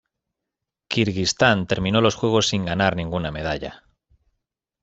Kirguistán terminó los juegos sin ganar ninguna medalla.